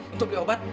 untuk beli obat